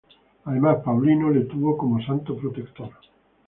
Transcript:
Además, Paulino le tuvo como santo protector.